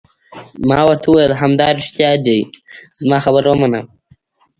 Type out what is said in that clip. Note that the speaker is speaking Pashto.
ما ورته وویل: همدارښتیا دي، زما خبره ومنه.